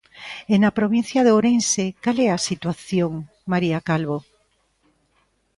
E na provincia de Ourense, cal é a situación, María Calvo?